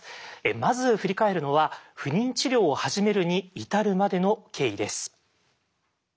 まず振り返るのは不妊治療を始めるに至るまでの経緯です。